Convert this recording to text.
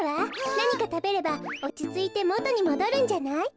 なにかたべればおちついてもとにもどるんじゃない？